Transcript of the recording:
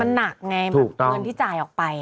มันหนักไงเงินที่จ่ายออกไป